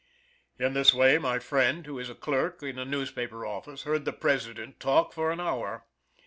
In this way my friend, who is a clerk, in a newspaper office, heard the President talk for an hour.